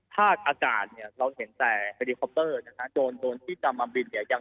ภาคอากาศเนี้ยเราเห็นแต่นะฮะโดรนโดรนที่จะมาบินเนี้ย